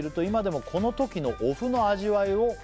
「今でもこのときのお麩の味わいを」